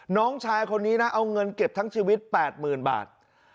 น้องชายคนนี้นะเอาเงินเก็บทั้งชีวิต๘๐๐๐บาท